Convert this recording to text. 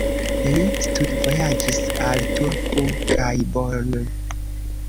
Li studvojaĝis al Turku kaj Bonn.